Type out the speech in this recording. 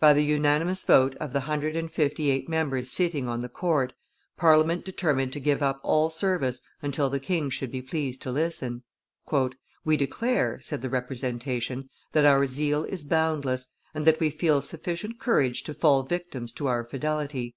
By the unanimous vote of the hundred and fifty eight members sitting on the Court, Parliament determined to give up all service until the king should be pleased to listen. "We declare," said the representation, "that our zeal is boundless, and that we feel sufficient courage to fall victims to our fidelity.